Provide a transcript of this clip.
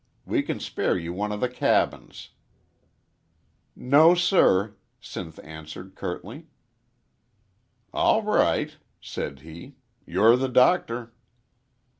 We can spare you one of the cabins." "No, sir," Sinth answered, curtly. "All right," said he, "you're the doctor."